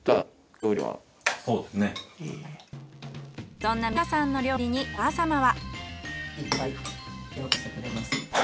そんな美香さんの料理にお母様は。